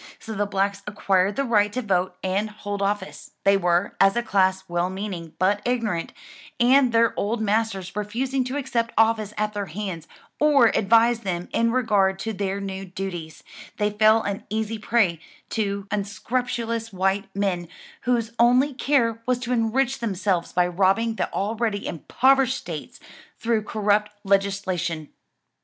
So the blacks acquired the right to vote and hold office: they were, as a class, well meaning, but ignorant, and their old masters refusing to accept office at their hands, or advise them in regard to their new duties, they fell an easy prey to unscrupulous white men, whose only care was to enrich themselves by robbing the already impoverished states, through corrupt legislation.